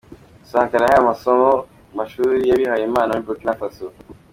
Sankara yahawe amasomo mu mashuri y’abihaye Imana muri Burkina Faso.